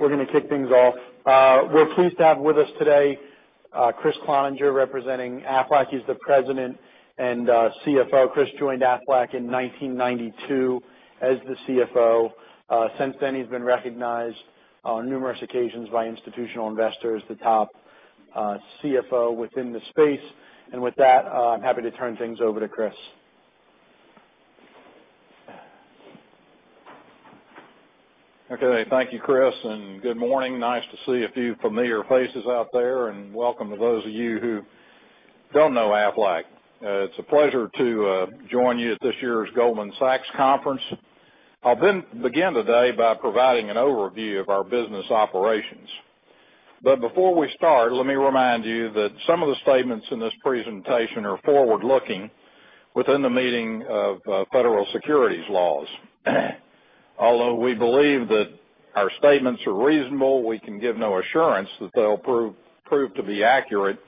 We're going to kick things off. We're pleased to have with us today, Kriss Cloninger, representing Aflac. He's the President and CFO. Chris joined Aflac in 1992 as the CFO. Since then, he's been recognized on numerous occasions by institutional investors, the top CFO within the space. With that, I'm happy to turn things over to Kriss. Okay. Thank you, Chris, and good morning. Nice to see a few familiar faces out there, and welcome to those of you who don't know Aflac. It's a pleasure to join you at this year's Goldman Sachs conference. I'll begin today by providing an overview of our business operations. Before we start, let me remind you that some of the statements in this presentation are forward-looking within the meaning of federal securities laws. Although we believe that our statements are reasonable, we can give no assurance that they'll prove to be accurate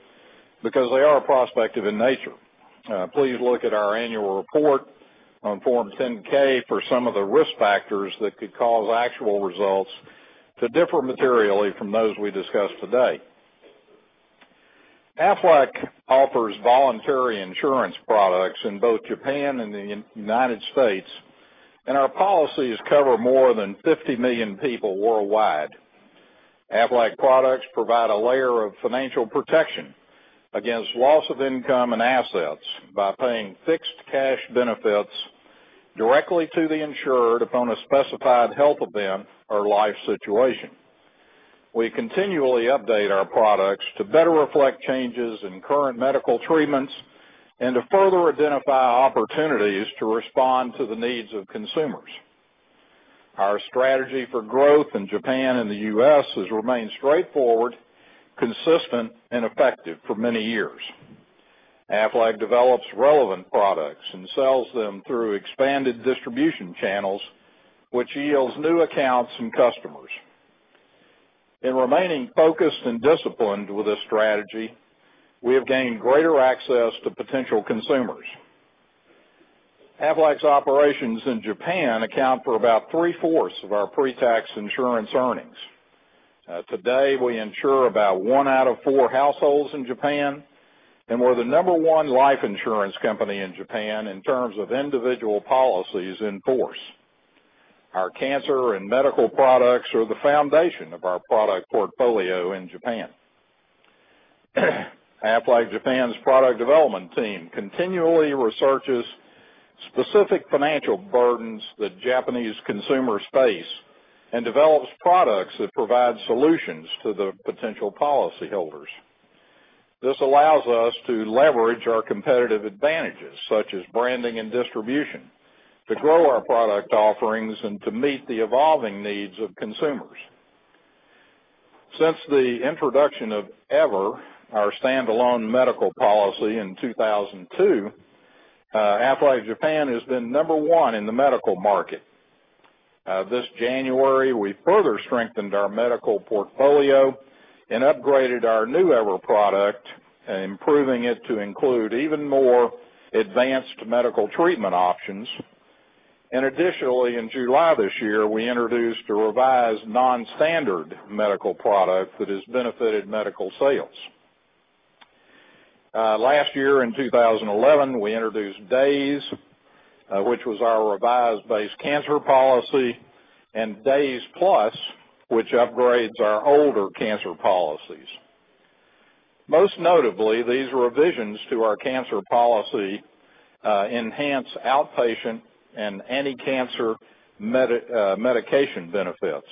because they are prospective in nature. Please look at our annual report on Form 10-K for some of the risk factors that could cause actual results to differ materially from those we discuss today. Aflac offers voluntary insurance products in both Japan and the United States. Our policies cover more than 50 million people worldwide. Aflac products provide a layer of financial protection against loss of income and assets by paying fixed cash benefits directly to the insured upon a specified health event or life situation. We continually update our products to better reflect changes in current medical treatments and to further identify opportunities to respond to the needs of consumers. Our strategy for growth in Japan and the U.S. has remained straightforward, consistent, and effective for many years. Aflac develops relevant products and sells them through expanded distribution channels, which yields new accounts and customers. In remaining focused and disciplined with this strategy, we have gained greater access to potential consumers. Aflac's operations in Japan account for about three-fourths of our pre-tax insurance earnings. Today, we insure about one out of four households in Japan. We're the number one life insurance company in Japan in terms of individual policies in force. Our cancer and medical products are the foundation of our product portfolio in Japan. Aflac Japan's product development team continually researches specific financial burdens that Japanese consumers face and develops products that provide solutions to the potential policyholders. This allows us to leverage our competitive advantages, such as branding and distribution, to grow our product offerings and to meet the evolving needs of consumers. Since the introduction of EVER, our standalone medical policy in 2002, Aflac Japan has been number one in the medical market. This January, we further strengthened our medical portfolio and upgraded our new EVER product, improving it to include even more advanced medical treatment options. Additionally, in July this year, we introduced a revised non-standard medical product that has benefited medical sales. Last year, in 2011, we introduced DAYS, which was our revised base cancer policy, and DAYS PLUS, which upgrades our older cancer policies. Most notably, these revisions to our cancer policy enhance outpatient and anti-cancer medication benefits.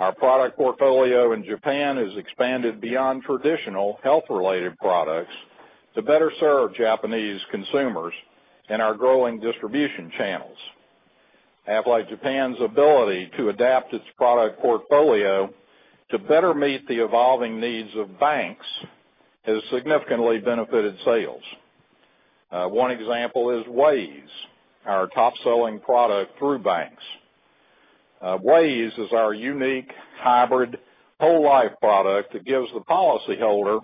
Our product portfolio in Japan has expanded beyond traditional health-related products to better serve Japanese consumers and our growing distribution channels. Aflac Japan's ability to adapt its product portfolio to better meet the evolving needs of banks has significantly benefited sales. One example is WAYS, our top-selling product through banks. WAYS is our unique hybrid whole life product that gives the policyholder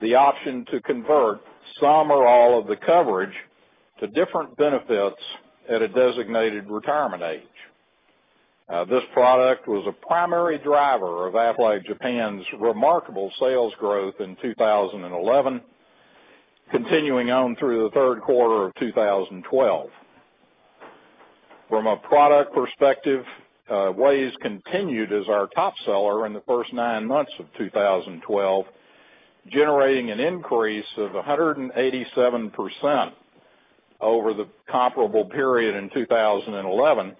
the option to convert some or all of the coverage to different benefits at a designated retirement age. This product was a primary driver of Aflac Japan's remarkable sales growth in 2011, continuing on through the third quarter of 2012. From a product perspective, WAYS continued as our top seller in the first nine months of 2012, generating an increase of 187% over the comparable period in 2011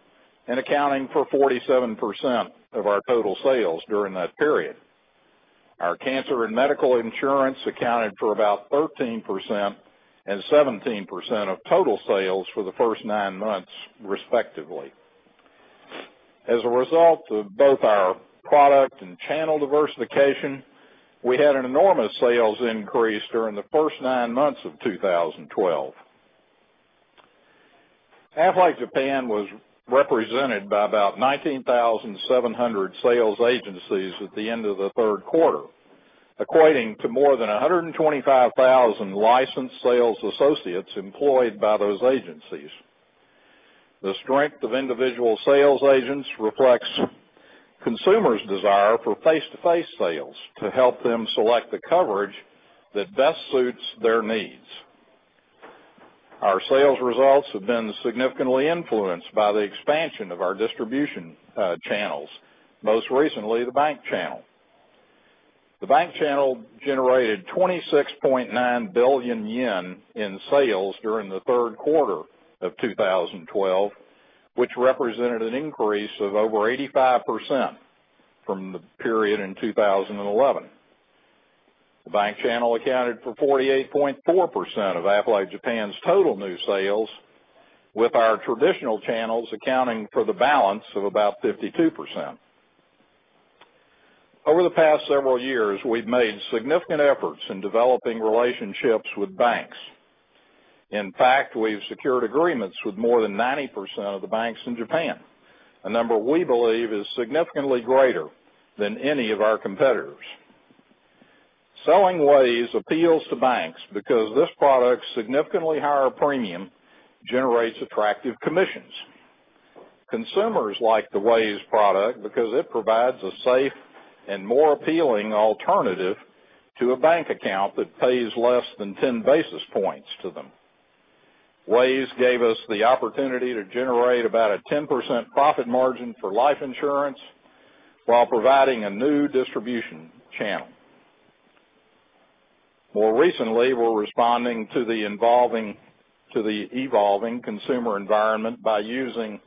and accounting for 47% of our total sales during that period. Our cancer and medical insurance accounted for about 13% and 17% of total sales for the first nine months, respectively. As a result of both our product and channel diversification, we had an enormous sales increase during the first nine months of 2012. Aflac Japan was represented by about 19,700 sales agencies at the end of the third quarter. Equating to more than 125,000 licensed sales associates employed by those agencies. The strength of individual sales agents reflects consumers' desire for face-to-face sales to help them select the coverage that best suits their needs. Our sales results have been significantly influenced by the expansion of our distribution channels, most recently the bank channel. The bank channel generated 26.9 billion yen in sales during the third quarter of 2012, which represented an increase of over 85% from the period in 2011. The bank channel accounted for 48.4% of Aflac Japan's total new sales, with our traditional channels accounting for the balance of about 52%. Over the past several years, we've made significant efforts in developing relationships with banks. In fact, we've secured agreements with more than 90% of the banks in Japan, a number we believe is significantly greater than any of our competitors. Selling WAYS appeals to banks because this product's significantly higher premium generates attractive commissions. Consumers like the WAYS product because it provides a safe and more appealing alternative to a bank account that pays less than 10 basis points to them. WAYS gave us the opportunity to generate about a 10% profit margin for life insurance while providing a new distribution channel. More recently, we're responding to the evolving consumer environment by using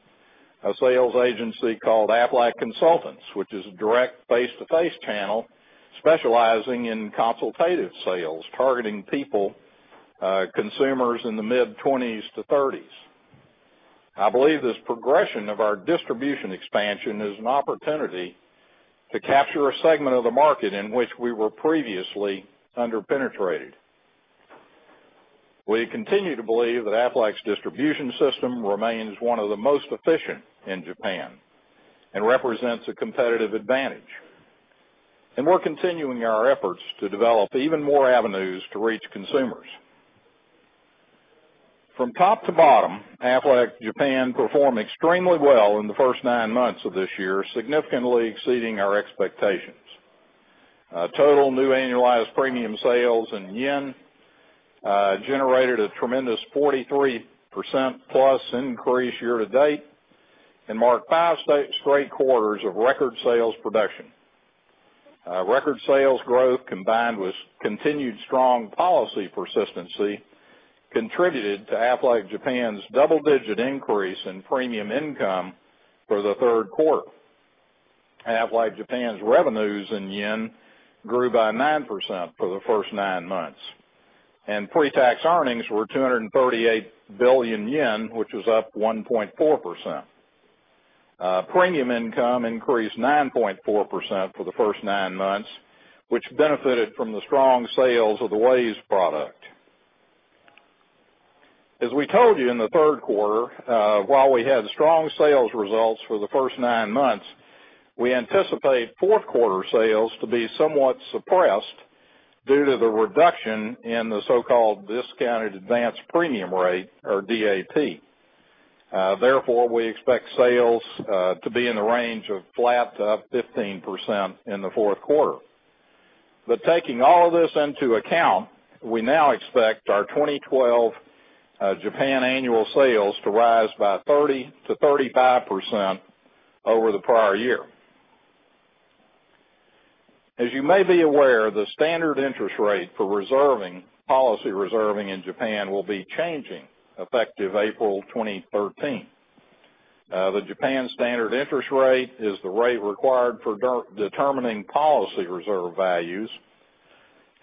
a sales agency called Aflac Consultants, which is a direct face-to-face channel specializing in consultative sales, targeting people, consumers in the mid-20s to 30s. I believe this progression of our distribution expansion is an opportunity to capture a segment of the market in which we were previously under-penetrated. We continue to believe that Aflac's distribution system remains one of the most efficient in Japan and represents a competitive advantage. We're continuing our efforts to develop even more avenues to reach consumers. From top to bottom, Aflac Japan performed extremely well in the first nine months of this year, significantly exceeding our expectations. Total new annualized premium sales in yen generated a tremendous 43%+ increase year to date and marked five straight quarters of record sales production. Record sales growth combined with continued strong policy persistency contributed to Aflac Japan's double-digit increase in premium income for the third quarter. Aflac Japan's revenues in yen grew by 9% for the first nine months, pre-tax earnings were 238 billion yen, which was up 1.4%. Premium income increased 9.4% for the first nine months, which benefited from the strong sales of the WAYS product. As we told you in the third quarter, while we had strong sales results for the first nine months, we anticipate fourth quarter sales to be somewhat suppressed due to the reduction in the so-called discounted advance premium rate or DAP. We expect sales to be in the range of flat to up 15% in the fourth quarter. Taking all this into account, we now expect our 2012 Japan annual sales to rise by 30%-35% over the prior year. As you may be aware, the standard interest rate for policy reserving in Japan will be changing effective April 2013. The Japan standard interest rate is the rate required for determining policy reserve values.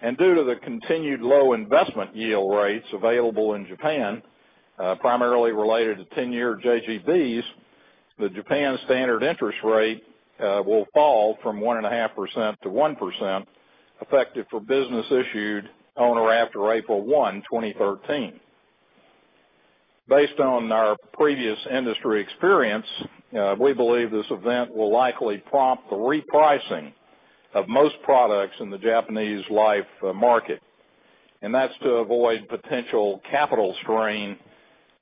Due to the continued low investment yield rates available in Japan, primarily related to 10-year JGBs, the Japan standard interest rate will fall from 1.5%-1%, effective for business issued on or after April 1, 2013. Based on our previous industry experience, we believe this event will likely prompt the repricing of most products in the Japanese life market, and that's to avoid potential capital strain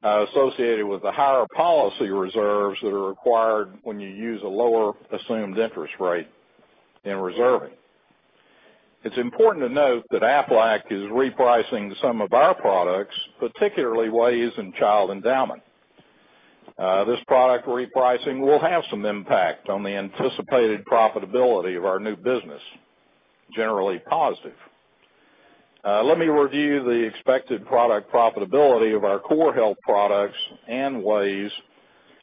associated with the higher policy reserves that are required when you use a lower assumed interest rate in reserving. It's important to note that Aflac is repricing some of our products, particularly WAYS and Child Endowment. This product repricing will have some impact on the anticipated profitability of our new business, generally positive. Let me review the expected product profitability of our core health products and WAYS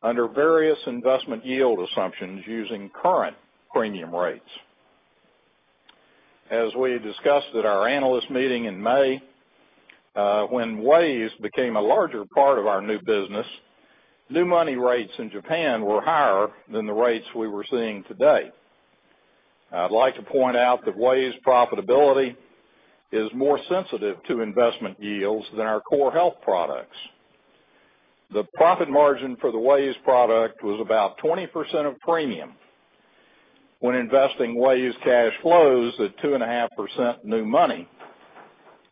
under various investment yield assumptions using current premium rates. As we discussed at our analyst meeting in May, when WAYS became a larger part of our new business, new money rates in Japan were higher than the rates we were seeing today. I'd like to point out that WAYS profitability is more sensitive to investment yields than our core health products. The profit margin for the WAYS product was about 20% of premium when investing WAYS cash flows at 2.5% new money,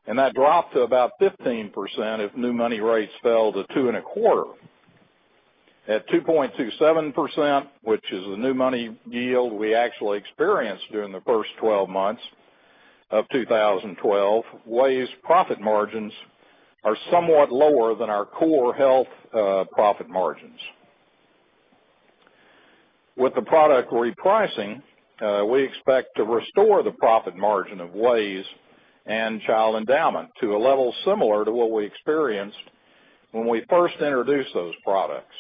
and that dropped to about 15% if new money rates fell to two and a quarter. At 2.27%, which is the new money yield we actually experienced during the first 12 months of 2012, WAYS profit margins are somewhat lower than our core health profit margins. With the product repricing, we expect to restore the profit margin of WAYS and Child Endowment to a level similar to what we experienced when we first introduced those products.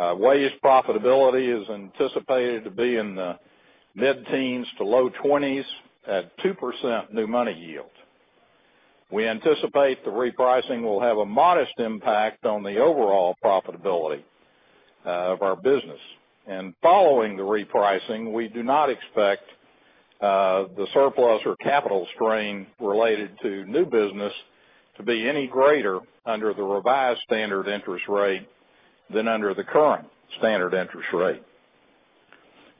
WAYS profitability is anticipated to be in the mid-teens to low 20s at 2% new money yield. We anticipate the repricing will have a modest impact on the overall profitability of our business. Following the repricing, we do not expect the surplus or capital strain related to new business to be any greater under the revised standard interest rate than under the current standard interest rate.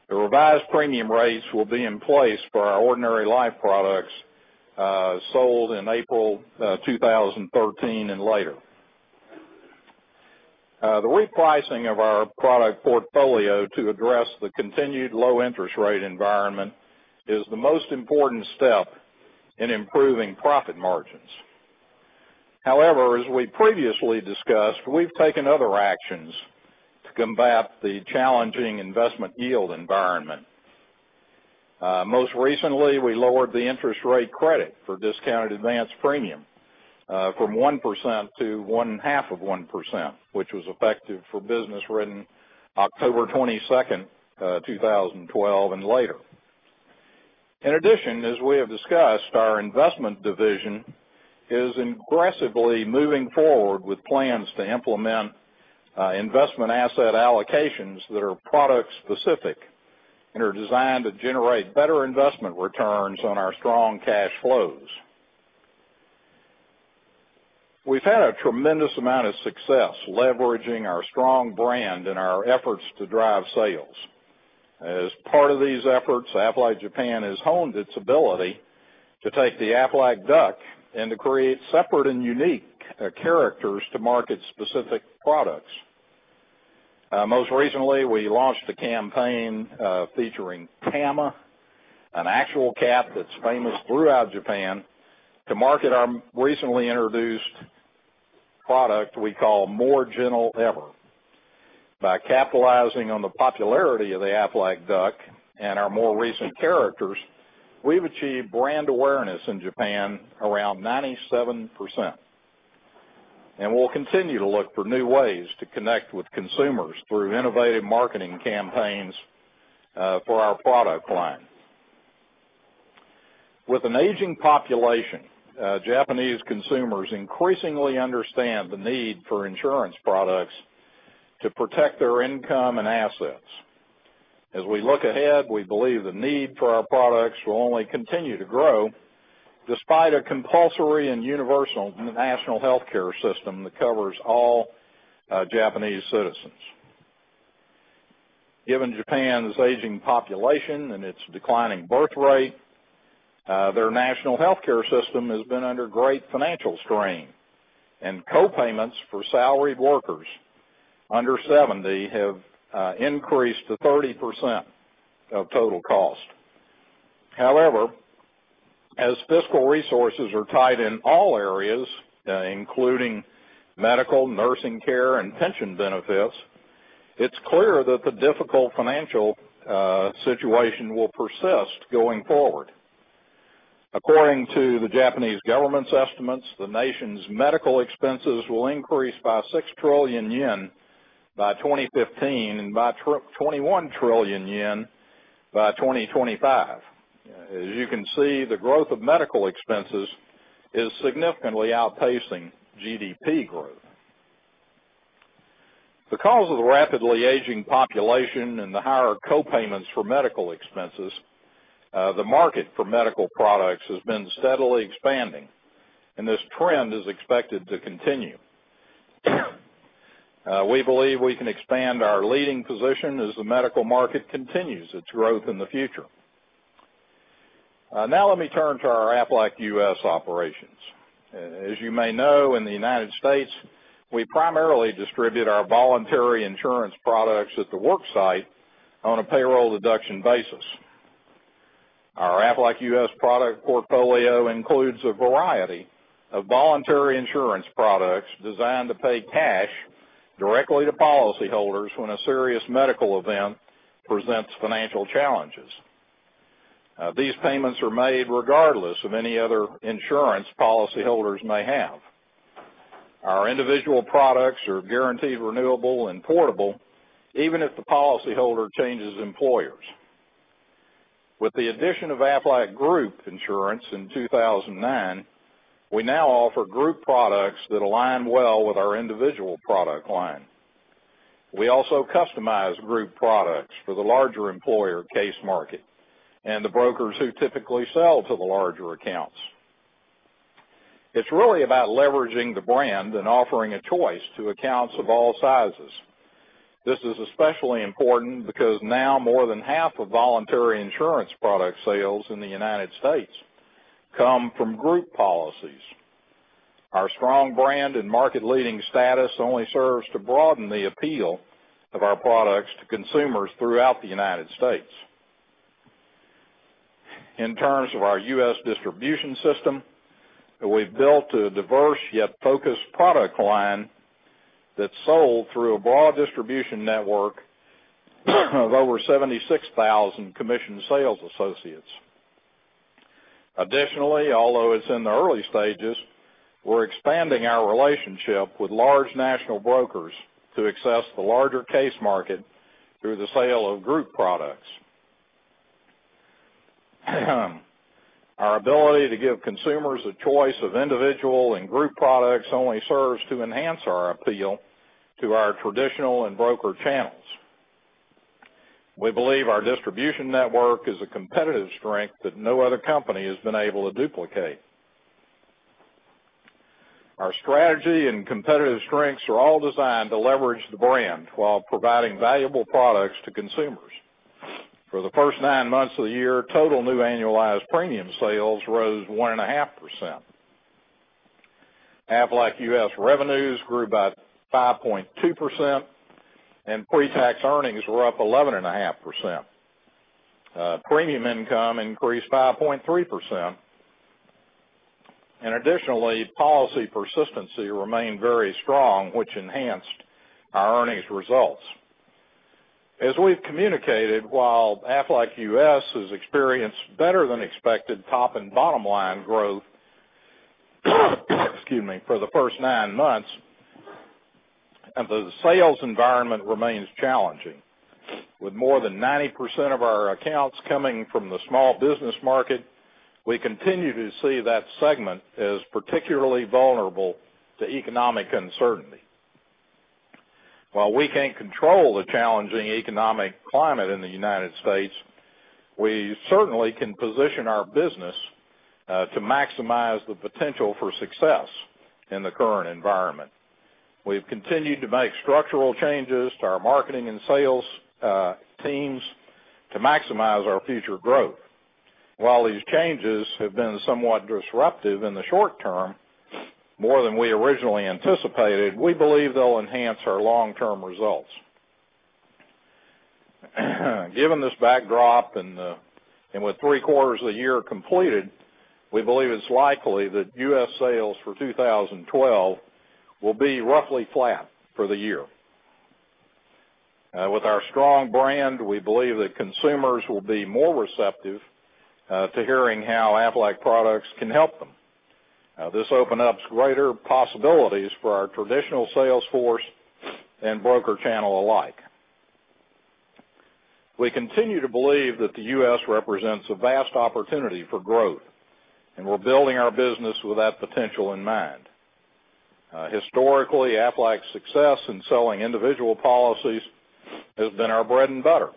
The revised premium rates will be in place for our ordinary life products sold in April 2013 and later. The repricing of our product portfolio to address the continued low interest rate environment is the most important step in improving profit margins. However, as we previously discussed, we've taken other actions to combat the challenging investment yield environment. Most recently, we lowered the interest rate credit for discounted advance premium from 1% to one half of 1%, which was effective for business written October 22nd, 2012 and later. In addition, as we have discussed, our investment division is aggressively moving forward with plans to implement investment asset allocations that are product specific and are designed to generate better investment returns on our strong cash flows. We've had a tremendous amount of success leveraging our strong brand in our efforts to drive sales. As part of these efforts, Aflac Japan has honed its ability to take the Aflac duck and to create separate and unique characters to market specific products. Most recently, we launched a campaign featuring Tama, an actual cat that's famous throughout Japan, to market our recently introduced product we call Gentle EVER. By capitalizing on the popularity of the Aflac duck and our more recent characters, we've achieved brand awareness in Japan around 97%. We'll continue to look for new ways to connect with consumers through innovative marketing campaigns for our product line. With an aging population, Japanese consumers increasingly understand the need for insurance products to protect their income and assets. As we look ahead, we believe the need for our products will only continue to grow despite a compulsory and universal national healthcare system that covers all Japanese citizens. Given Japan's aging population and its declining birth rate, their national healthcare system has been under great financial strain, and co-payments for salaried workers under 70 have increased to 30% of total cost. However, as fiscal resources are tight in all areas, including medical, nursing care, and pension benefits, it's clear that the difficult financial situation will persist going forward. According to the Japanese government's estimates, the nation's medical expenses will increase by six trillion yen by 2015 and by 21 trillion yen by 2025. As you can see, the growth of medical expenses is significantly outpacing GDP growth. Because of the rapidly aging population and the higher co-payments for medical expenses, the market for medical products has been steadily expanding, and this trend is expected to continue. We believe we can expand our leading position as the medical market continues its growth in the future. Now let me turn to our Aflac U.S. operations. As you may know, in the United States, we primarily distribute our voluntary insurance products at the work site on a payroll deduction basis. Our Aflac U.S. product portfolio includes a variety of voluntary insurance products designed to pay cash directly to policyholders when a serious medical event presents financial challenges. These payments are made regardless of any other insurance policyholders may have. Our individual products are guaranteed renewable and portable even if the policyholder changes employers. With the addition of Aflac Group Insurance in 2009, we now offer group products that align well with our individual product line. We also customize group products for the larger employer case market and the brokers who typically sell to the larger accounts. It's really about leveraging the brand and offering a choice to accounts of all sizes. This is especially important because now more than half of voluntary insurance product sales in the United States come from group policies. Our strong brand and market-leading status only serves to broaden the appeal of our products to consumers throughout the U.S. In terms of our U.S. distribution system, we've built a diverse yet focused product line that's sold through a broad distribution network of over 76,000 commissioned sales associates. Additionally, although it's in the early stages, we're expanding our relationship with large national brokers to access the larger case market through the sale of group products. Our ability to give consumers a choice of individual and group products only serves to enhance our appeal to our traditional and broker channels. We believe our distribution network is a competitive strength that no other company has been able to duplicate. Our strategy and competitive strengths are all designed to leverage the brand while providing valuable products to consumers. For the first nine months of the year, total new annualized premium sales rose 1.5%. Aflac U.S. revenues grew by 5.2%, and pre-tax earnings were up 11.5%. Premium income increased 5.3%, and additionally, policy persistency remained very strong, which enhanced our earnings results. As we've communicated, while Aflac U.S. has experienced better than expected top and bottom-line growth for the first nine months, the sales environment remains challenging. With more than 90% of our accounts coming from the small business market, we continue to see that segment as particularly vulnerable to economic uncertainty. While we can't control the challenging economic climate in the U.S., we certainly can position our business to maximize the potential for success in the current environment. We've continued to make structural changes to our marketing and sales teams to maximize our future growth. While these changes have been somewhat disruptive in the short term, more than we originally anticipated, we believe they'll enhance our long-term results. Given this backdrop, and with three quarters of the year completed, we believe it's likely that U.S. sales for 2012 will be roughly flat for the year. With our strong brand, we believe that consumers will be more receptive to hearing how Aflac products can help them. This opens up greater possibilities for our traditional sales force and broker channel alike. We continue to believe that the U.S. represents a vast opportunity for growth, and we're building our business with that potential in mind. Historically, Aflac's success in selling individual policies has been our bread and butter,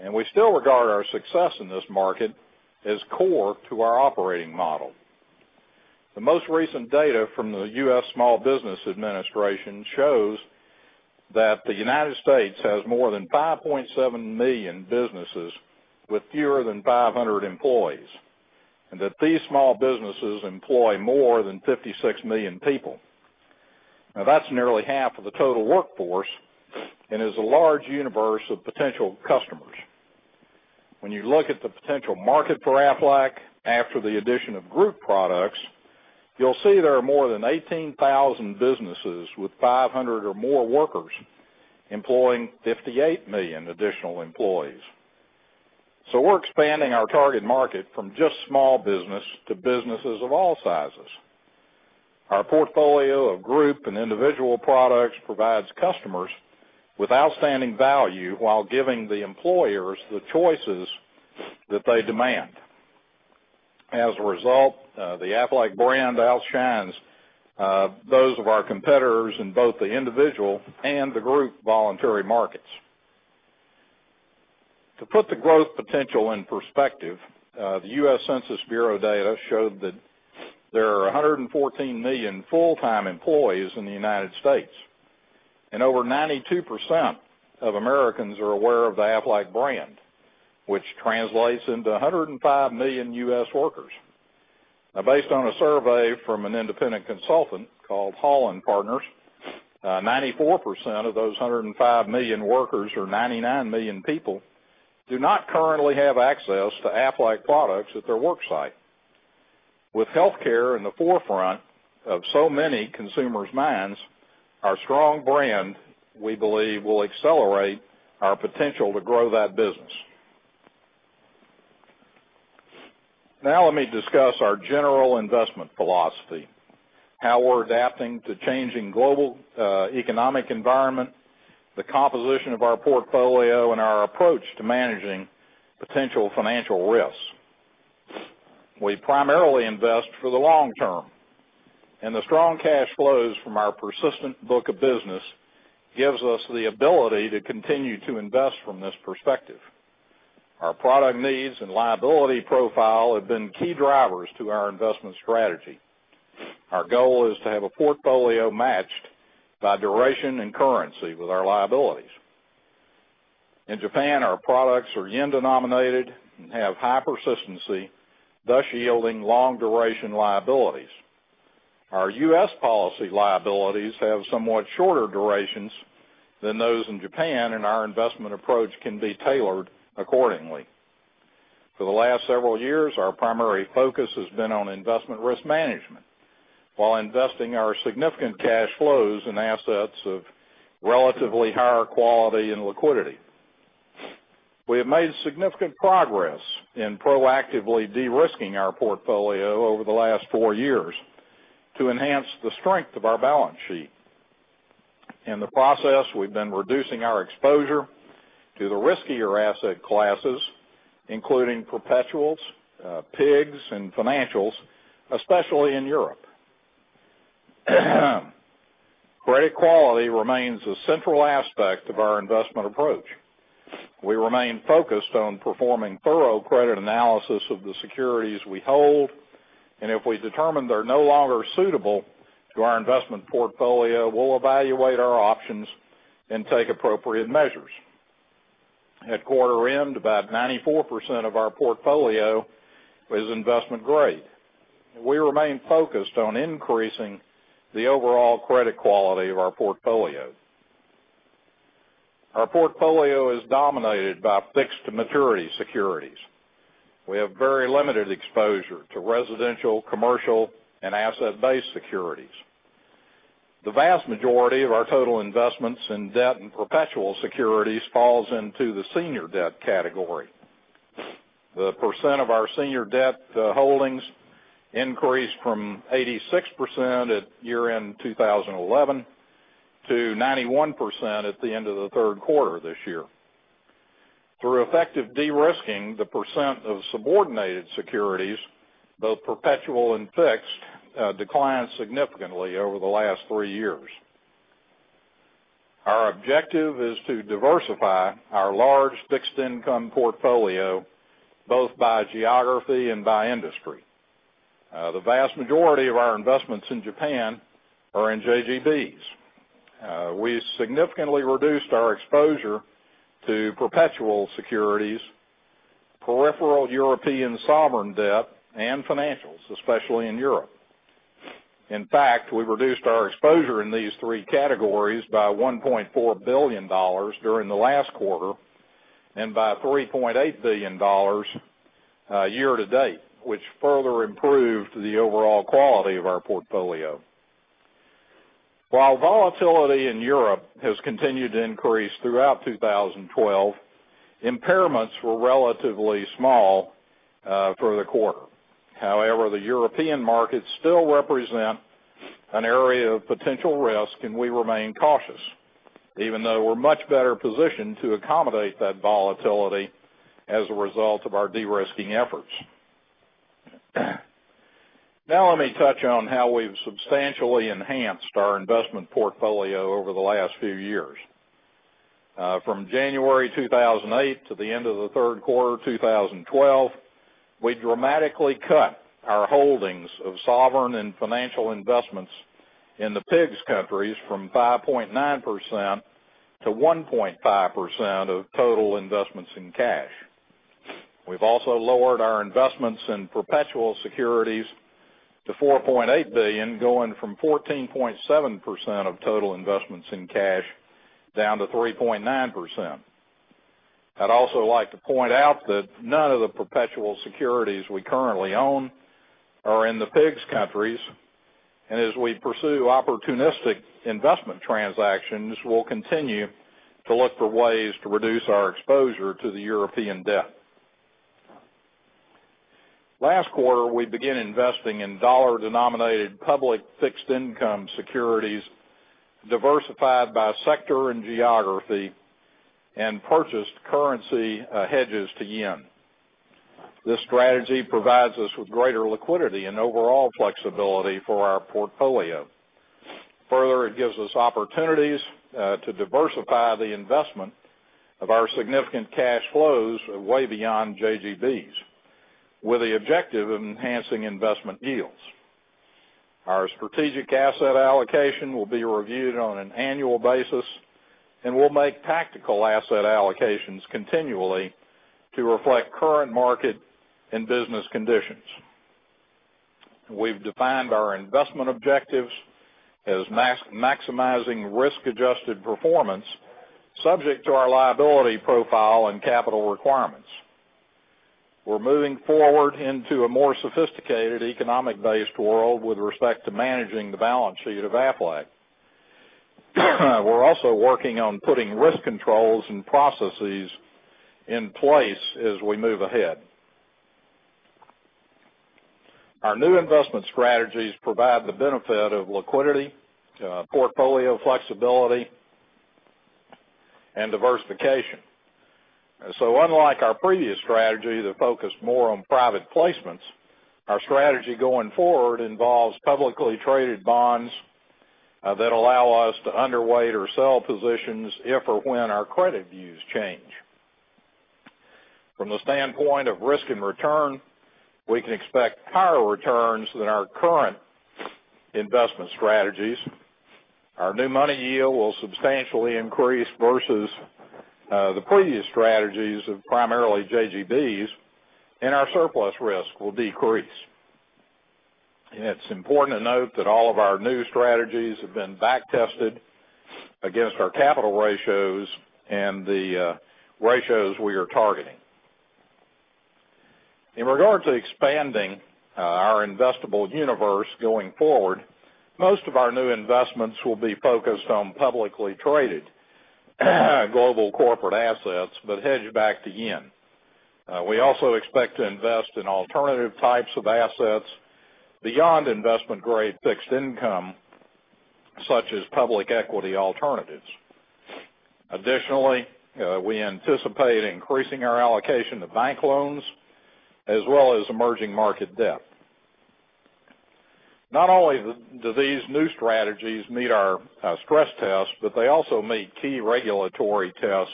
and we still regard our success in this market as core to our operating model. The most recent data from the U.S. Small Business Administration shows that the U.S. has more than 5.7 million businesses with fewer than 500 employees, and that these small businesses employ more than 56 million people. That's nearly half of the total workforce and is a large universe of potential customers. When you look at the potential market for Aflac after the addition of group products, you'll see there are more than 18,000 businesses with 500 or more workers employing 58 million additional employees. We're expanding our target market from just small business to businesses of all sizes. Our portfolio of group and individual products provides customers with outstanding value while giving the employers the choices that they demand. As a result, the Aflac brand outshines those of our competitors in both the individual and the group voluntary markets. To put the growth potential in perspective, the U.S. Census Bureau data showed that there are 114 million full-time employees in the U.S., and over 92% of Americans are aware of the Aflac brand, which translates into 105 million U.S. workers. Based on a survey from an independent consultant called Hall & Partners, 94% of those 105 million workers or 99 million people do not currently have access to Aflac products at their work site. With healthcare in the forefront of so many consumers' minds, our strong brand, we believe, will accelerate our potential to grow that business. Let me discuss our general investment philosophy, how we're adapting to changing global economic environment, the composition of our portfolio, and our approach to managing potential financial risks. We primarily invest for the long term. The strong cash flows from our persistent book of business gives us the ability to continue to invest from this perspective. Our product needs and liability profile have been key drivers to our investment strategy. Our goal is to have a portfolio matched by duration and currency with our liabilities. In Japan, our products are yen-denominated and have high persistency, thus yielding long-duration liabilities. Our U.S. policy liabilities have somewhat shorter durations than those in Japan, and our investment approach can be tailored accordingly. For the last several years, our primary focus has been on investment risk management, while investing our significant cash flows in assets of relatively higher quality and liquidity. We have made significant progress in proactively de-risking our portfolio over the last four years to enhance the strength of our balance sheet. In the process, we've been reducing our exposure to the riskier asset classes, including perpetuals, PIGS, and financials, especially in Europe. Credit quality remains a central aspect of our investment approach. We remain focused on performing thorough credit analysis of the securities we hold. If we determine they're no longer suitable to our investment portfolio, we'll evaluate our options and take appropriate measures. At quarter end, about 94% of our portfolio was investment-grade. We remain focused on increasing the overall credit quality of our portfolio. Our portfolio is dominated by fixed maturity securities. We have very limited exposure to residential, commercial, and asset-based securities. The vast majority of our total investments in debt and perpetual securities falls into the senior debt category. The percent of our senior debt holdings increased from 86% at year-end 2011 to 91% at the end of the third quarter this year. Through effective de-risking, the percent of subordinated securities, both perpetual and fixed, declined significantly over the last three years. Our objective is to diversify our large fixed income portfolio, both by geography and by industry. The vast majority of our investments in Japan are in JGBs. We significantly reduced our exposure to perpetual securities, peripheral European sovereign debt, and financials, especially in Europe. In fact, we reduced our exposure in these three categories by $1.4 billion during the last quarter and by $3.8 billion year to date, which further improved the overall quality of our portfolio. While volatility in Europe has continued to increase throughout 2012, impairments were relatively small for the quarter. However, the European markets still represent an area of potential risk, and we remain cautious, even though we're much better positioned to accommodate that volatility as a result of our de-risking efforts. Now let me touch on how we've substantially enhanced our investment portfolio over the last few years. From January 2008 to the end of the third quarter of 2012, we dramatically cut our holdings of sovereign and financial investments in the PIGS countries from 5.9% to 1.5% of total investments in cash. We've also lowered our investments in perpetual securities to 4.8 billion, going from 14.7% of total investments in cash down to 3.9%. I'd also like to point out that none of the perpetual securities we currently own are in the PIGS countries, and as we pursue opportunistic investment transactions, we'll continue to look for ways to reduce our exposure to the European debt. Last quarter, we began investing in dollar-denominated public fixed income securities diversified by sector and geography, and purchased currency hedges to JPY. This strategy provides us with greater liquidity and overall flexibility for our portfolio. Further, it gives us opportunities to diversify the investment of our significant cash flows way beyond JGBs, with the objective of enhancing investment yields. Our strategic asset allocation will be reviewed on an annual basis, and we'll make tactical asset allocations continually to reflect current market and business conditions. We've defined our investment objectives as maximizing risk-adjusted performance subject to our liability profile and capital requirements. We're moving forward into a more sophisticated economic-based world with respect to managing the balance sheet of Aflac. We're also working on putting risk controls and processes in place as we move ahead. Our new investment strategies provide the benefit of liquidity, portfolio flexibility and diversification. Unlike our previous strategy that focused more on private placements, our strategy going forward involves publicly traded bonds that allow us to underweight or sell positions if or when our credit views change. From the standpoint of risk and return, we can expect higher returns than our current investment strategies. Our new money yield will substantially increase versus the previous strategies of primarily JGBs, and our surplus risk will decrease. It's important to note that all of our new strategies have been back-tested against our capital ratios and the ratios we are targeting. In regard to expanding our investable universe going forward, most of our new investments will be focused on publicly traded global corporate assets, but hedged back to JPY. We also expect to invest in alternative types of assets beyond investment-grade fixed income, such as public equity alternatives. Additionally, we anticipate increasing our allocation to bank loans as well as emerging market debt. Not only do these new strategies meet our stress tests, but they also meet key regulatory tests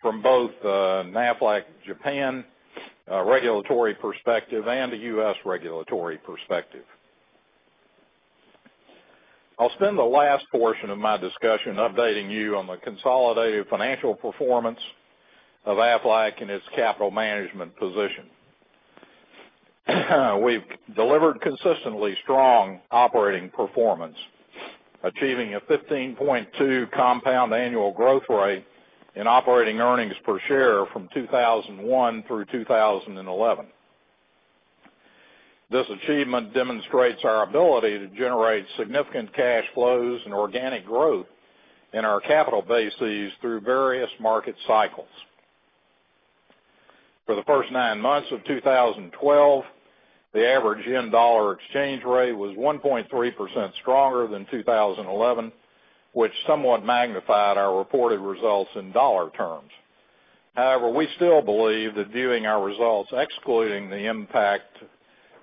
from both Aflac Japan regulatory perspective and the U.S. regulatory perspective. regulatory perspective. I'll spend the last portion of my discussion updating you on the consolidated financial performance of Aflac and its capital management position. We've delivered consistently strong operating performance, achieving a 15.2 compound annual growth rate in operating earnings per share from 2001 through 2011. This achievement demonstrates our ability to generate significant cash flows and organic growth in our capital bases through various market cycles. For the first nine months of 2012, the average JPY-USD exchange rate was 1.3% stronger than 2011, which somewhat magnified our reported results in USD terms. However, we still believe that viewing our results excluding the impact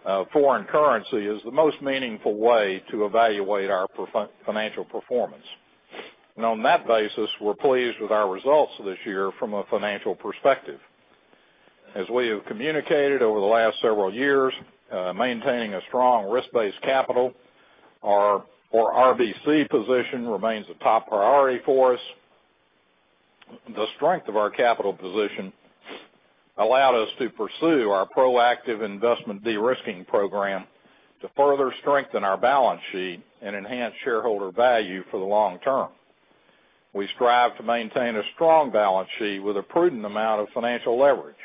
of foreign currency is the most meaningful way to evaluate our financial performance. On that basis, we're pleased with our results this year from a financial perspective. As we have communicated over the last several years, maintaining a strong risk-based capital or RBC position remains a top priority for us. The strength of our capital position allowed us to pursue our proactive investment de-risking program to further strengthen our balance sheet and enhance shareholder value for the long term. We strive to maintain a strong balance sheet with a prudent amount of financial leverage.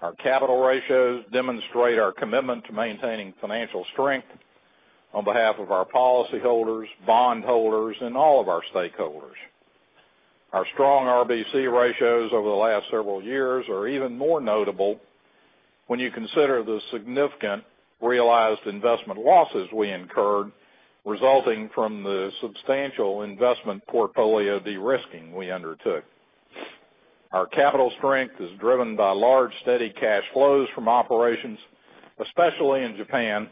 Our capital ratios demonstrate our commitment to maintaining financial strength on behalf of our policyholders, bondholders, and all of our stakeholders. Our strong RBC ratios over the last several years are even more notable when you consider the significant realized investment losses we incurred, resulting from the substantial investment portfolio de-risking we undertook. Our capital strength is driven by large, steady cash flows from operations, especially in Japan,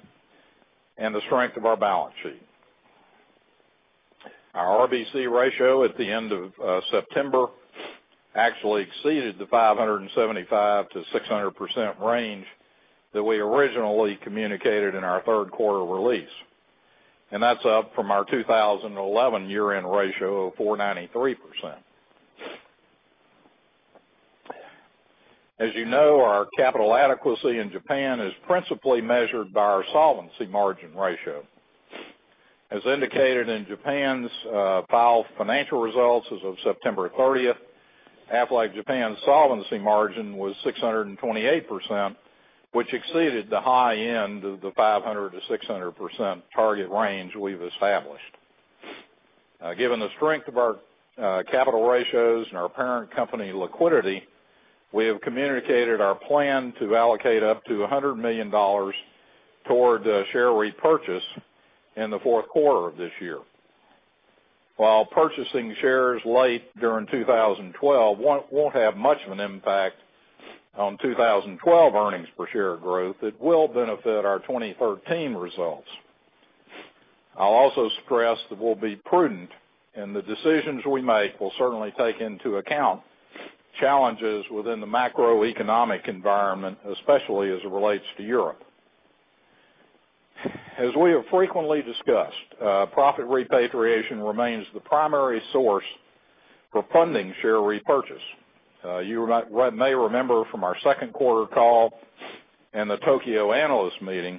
and the strength of our balance sheet. Our RBC ratio at the end of September actually exceeded the 575%-600% range that we originally communicated in our third quarter release, that's up from our 2011 year-end ratio of 493%. As you know, our capital adequacy in Japan is principally measured by our solvency margin ratio. As indicated in Japan's filed financial results as of September 30th, Aflac Japan's solvency margin was 628%, which exceeded the high end of the 500%-600% target range we've established. Given the strength of our capital ratios and our parent company liquidity, we have communicated our plan to allocate up to $100 million toward share repurchase in the fourth quarter of this year. While purchasing shares late during 2012 won't have much of an impact on 2012 earnings per share growth, it will benefit our 2013 results. I'll also stress that we'll be prudent, the decisions we make will certainly take into account challenges within the macroeconomic environment, especially as it relates to Europe. As we have frequently discussed, profit repatriation remains the primary source for funding share repurchase. You may remember from our second quarter call and the Tokyo analyst meeting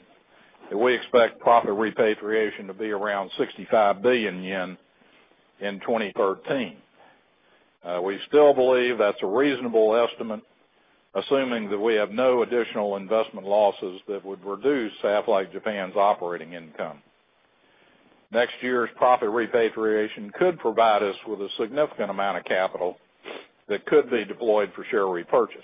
that we expect profit repatriation to be around 65 billion yen in 2013. We still believe that's a reasonable estimate, assuming that we have no additional investment losses that would reduce Aflac Japan's operating income. Next year's profit repatriation could provide us with a significant amount of capital that could be deployed for share repurchase.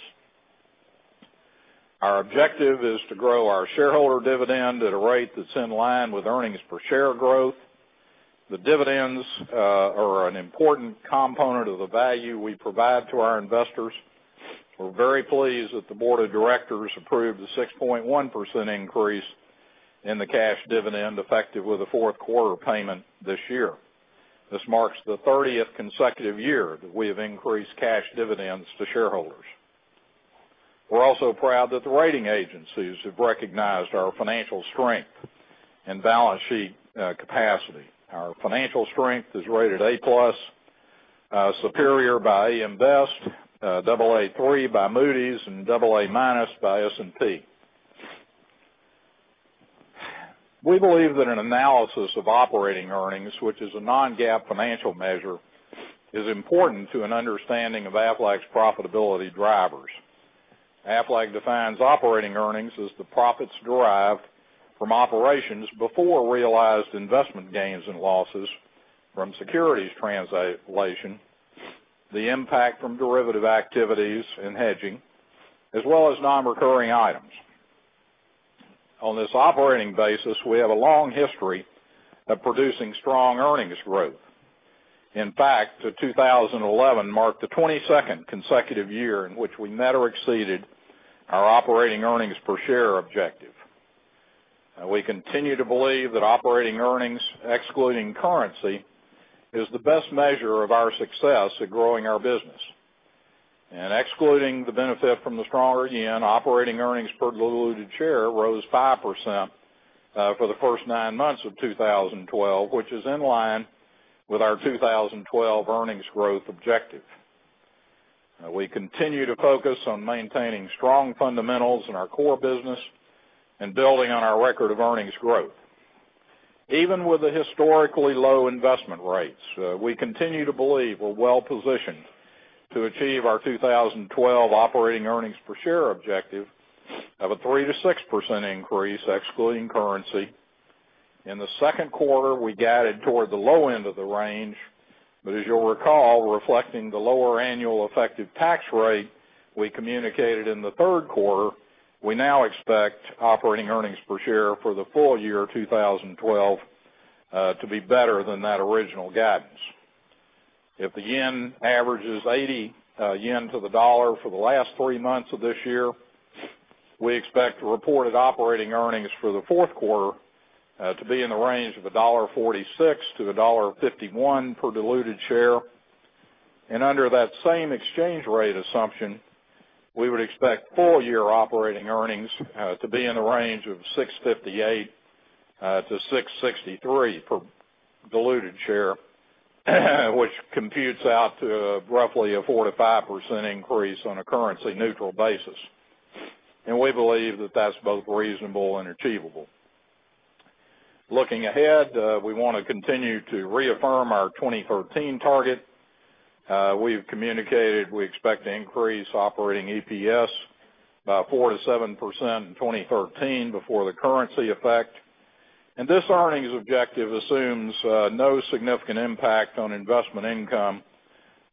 Our objective is to grow our shareholder dividend at a rate that's in line with earnings per share growth. The dividends are an important component of the value we provide to our investors. We're very pleased that the board of directors approved the 6.1% increase in the cash dividend, effective with the fourth quarter payment this year. This marks the 30th consecutive year that we have increased cash dividends to shareholders. We're also proud that the rating agencies have recognized our financial strength and balance sheet capacity. Our financial strength is rated A+, Superior by A.M. Best, Aa3 by Moody's, and Aa- by S&P. We believe that an analysis of operating earnings, which is a non-GAAP financial measure, is important to an understanding of Aflac's profitability drivers. Aflac defines operating earnings as the profits derived from operations before realized investment gains and losses from securities translation, the impact from derivative activities and hedging, as well as non-recurring items. On this operating basis, we have a long history of producing strong earnings growth. In fact, 2011 marked the 22nd consecutive year in which we met or exceeded our operating earnings per share objective. We continue to believe that operating earnings, excluding currency, is the best measure of our success at growing our business. Excluding the benefit from the stronger yen, operating earnings per diluted share rose 5% for the first nine months of 2012, which is in line with our 2012 earnings growth objective. We continue to focus on maintaining strong fundamentals in our core business and building on our record of earnings growth. Even with the historically low investment rates, we continue to believe we're well-positioned to achieve our 2012 operating earnings per share objective of a 3%-6% increase, excluding currency. In the second quarter, we guided toward the low end of the range. As you'll recall, reflecting the lower annual effective tax rate we communicated in the third quarter, we now expect operating earnings per share for the full year 2012 to be better than that original guidance. If the yen averages 80 yen to the dollar for the last three months of this year, we expect reported operating earnings for the fourth quarter to be in the range of $1.46-$1.51 per diluted share. Under that same exchange rate assumption, we would expect full year operating earnings to be in the range of $6.58-$6.63 per diluted share, which computes out to roughly a 4%-5% increase on a currency neutral basis. We believe that that's both reasonable and achievable. Looking ahead, we want to continue to reaffirm our 2013 target. We've communicated we expect to increase operating EPS by 4%-7% in 2013 before the currency effect. This earnings objective assumes no significant impact on investment income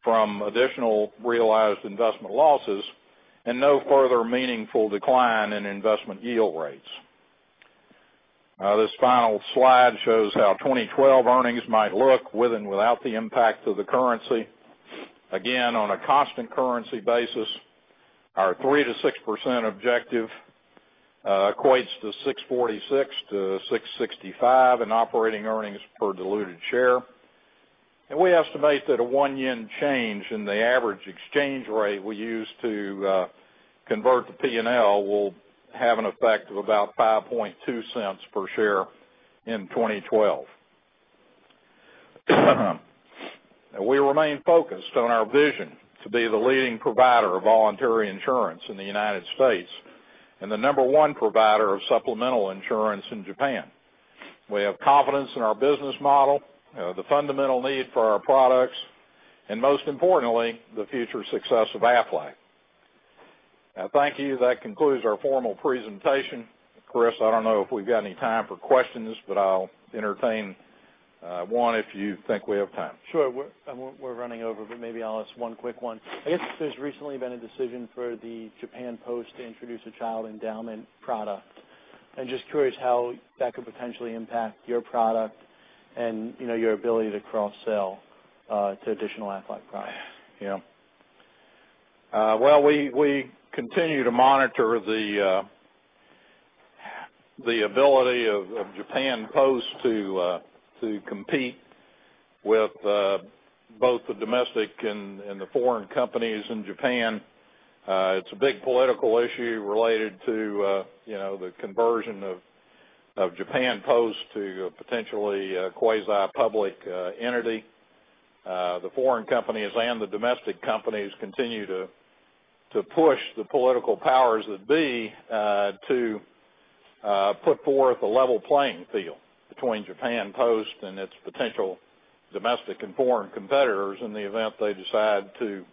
from additional realized investment losses and no further meaningful decline in investment yield rates. This final slide shows how 2012 earnings might look with and without the impact of the currency. Again, on a constant currency basis, our 3%-6% objective equates to $6.46-$6.65 in operating earnings per diluted share. We estimate that a one yen change in the average exchange rate we use to convert to P&L will have an effect of about $0.052 per share in 2012. We remain focused on our vision to be the leading provider of voluntary insurance in the U.S. and the number one provider of supplemental insurance in Japan. We have confidence in our business model, the fundamental need for our products, and most importantly, the future success of Aflac. Thank you. That concludes our formal presentation. Chris, I don't know if we've got any time for questions, but I'll entertain one if you think we have time. Sure. We're running over, maybe I'll ask one quick one. I guess there's recently been a decision for the Japan Post to introduce a Child Endowment product. I'm just curious how that could potentially impact your product and, you know, your ability to cross-sell to additional Aflac products. Yeah. We continue to monitor the ability of Japan Post to compete with both the domestic and the foreign companies in Japan. It's a big political issue related to, you know, the conversion of Japan Post to a potentially a quasi-public entity. The foreign companies and the domestic companies continue to push the political powers that be, to put forth a level playing field between Japan Post and its potential domestic and foreign competitors in the event they decide to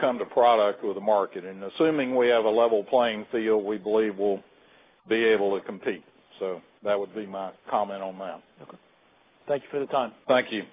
come to product with the market. Assuming we have a level playing field, we believe we'll be able to compete. That would be my comment on that. Okay. Thank you for the time. Thank you